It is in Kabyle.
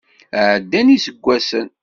Ɛeddan yiseggasen.